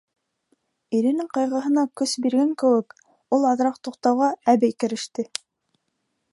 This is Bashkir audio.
Иренең ҡайғыһына көс биргән кеүек, ул аҙыраҡ туҡтауға, әбей кереште: